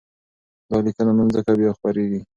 دا لیکنه نن ځکه بیا خپرېږي،